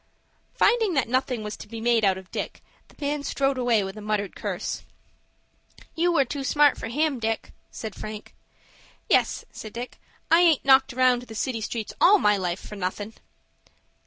Finding that nothing was to be made out of Dick, the man strode away with a muttered curse. "You were too smart for him, Dick," said Frank. "Yes," said Dick, "I aint knocked round the city streets all my life for nothin'."